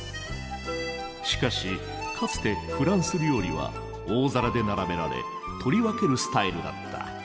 しかしかつてフランス料理は大皿で並べられ取り分けるスタイルだった。